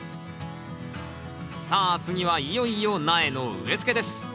さあ次はいよいよ苗の植えつけです